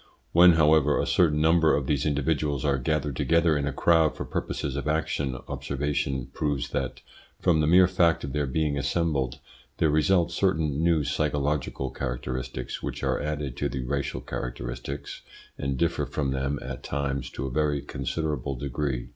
When, however, a certain number of these individuals are gathered together in a crowd for purposes of action, observation proves that, from the mere fact of their being assembled, there result certain new psychological characteristics, which are added to the racial characteristics and differ from them at times to a very considerable degree.